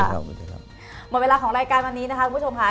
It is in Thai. หมดเวลาของรายการวันนี้นะคะคุณผู้ชมค่ะ